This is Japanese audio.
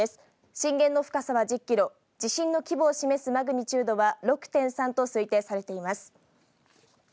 震源の深さは１０キロ、地震の規模を示すマグニチュードは６．３と推定されています。